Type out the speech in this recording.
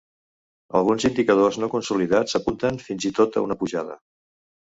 “Alguns indicadors no consolidats apunten, fins i tot, a una pujada”.